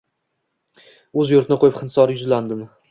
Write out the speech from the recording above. O’z yurtni ko’yib, Hind sori yuzlandim